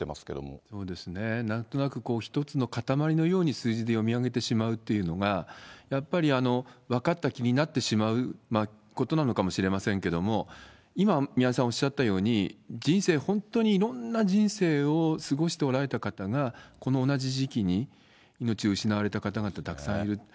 なんとなく一つの塊のように数字で読み上げてしまうっていうのが、やっぱり分かった気になってしまうことなのかもしれませんけれども、今、宮根さんおっしゃったように、人生、本当にいろんな人生を過ごしておられた方が、この同じ時期に命を失われた方々、たくさんいる。